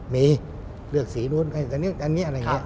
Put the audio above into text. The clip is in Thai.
มีเลือกสีนู้นอันนี้อะไรอย่างนี้